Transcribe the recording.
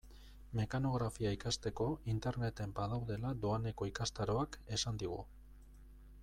Mekanografia ikasteko Interneten badaudela doaneko ikastaroak esan digu.